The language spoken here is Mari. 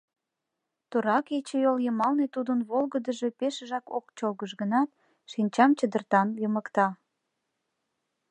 Тура кечыйол йымалне тудын волгыдыжо пешыжак ок чолгыж гынат, шинчам чыдыртан йымыкта.